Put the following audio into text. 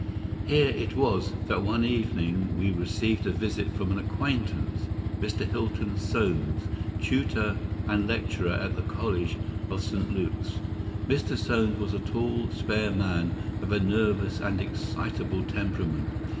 Here it was that one evening we received a visit from an acquaintance, Mr. Hilton Soames, tutor and lecturer at the College of St. Luke's. Mr. Soames was a tall, spare man, of a nervous and excitable temperament.